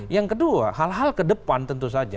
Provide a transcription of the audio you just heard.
yang kedua hal hal ke depan tentu saja